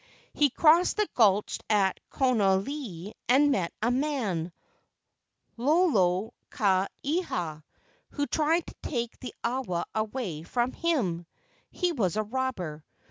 He crossed the gulch at Konolii and met a man, Lolo ka eha, who tried to take the awa away from him. He was a robber.